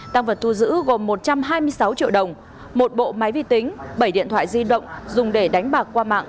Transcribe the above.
tăng vật thu giữ gồm một trăm hai mươi sáu triệu đồng một bộ máy vi tính bảy điện thoại di động dùng để đánh bạc qua mạng